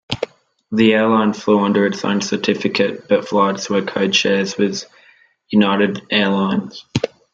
The airline flew under its own certificate, but flights were code-shares with United Airlines.